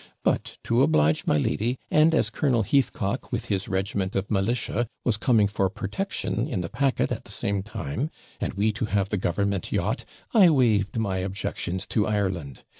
But, to oblige my lady, and as Colonel Heathcock, with his regiment of militia, was coming for purtection in the packet at the same time, and we to have the government yacht, I waived my objections to Ireland.